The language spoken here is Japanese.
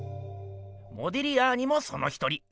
モディリアーニもその一人。